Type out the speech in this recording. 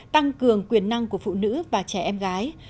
tăng cường quyền năng của phụ nữ và trẻ em gái